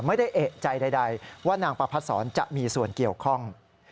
ไม่ได้เอกใจใดว่านางประพัดศรจะมีส่วนเกี่ยวข้อง